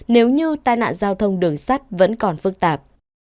nếu như tai nạn giao thông đường sắt vẫn còn phức tạp